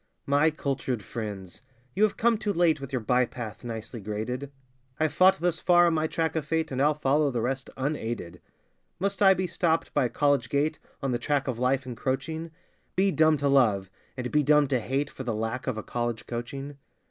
My cultured friends! you have come too late With your bypath nicely graded; I've fought thus far on my track of Fate, And I'll follow the rest unaided. Must I be stopped by a college gate On the track of Life encroaching? Be dumb to Love, and be dumb to Hate, For the lack of a college coaching?